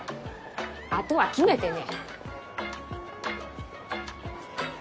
あとは決めてね。